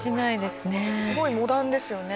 すごいモダンですよね。